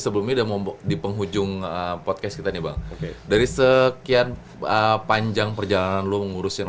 sebelumnya udah mau di penghujung podcast kita nih bang dari sekian panjang perjalanan lu mengurusin